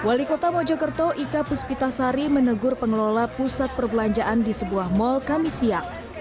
wali kota mojokerto ika puspitasari menegur pengelola pusat perbelanjaan di sebuah mal kami siang